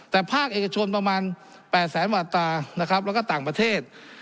แต่ภาคเอกชนประมาณ๘แสนมาตรานะครับแล้วก็ต่างประเทศ